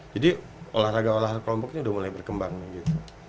jadi olahraga olahraga kelompoknya udah mulai berkembang gitu